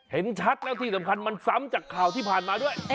เห็นชัดแล้วที่สำคัญมันซ้ำจากข่าวที่ผ่านมาด้วย